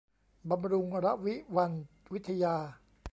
บำรุงระวิวรรณวิทยา